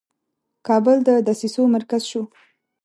کابل د دسیسو مرکز شو.